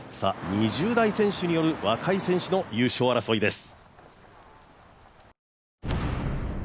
２０代選手による若い選手の優勝争いです。